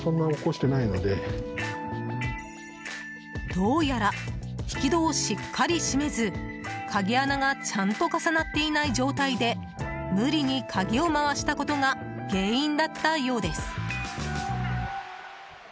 どうやら引き戸をしっかり閉めず鍵穴がちゃんと重なっていない状態で無理に鍵を回したことが原因だったようです。